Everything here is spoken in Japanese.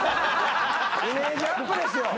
イメージアップですよ！